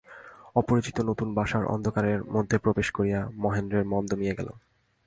অপরিচিত নূতন বাসার অন্ধকারের মধ্যে প্রবেশ করিয়া মহেন্দ্রের মন দমিয়া গেল।